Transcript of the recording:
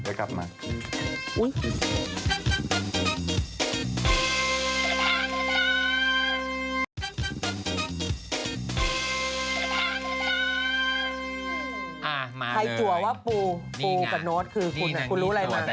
ใครจัวว่าปูปูกับโน้ตคือคุณคุณรู้อะไรมา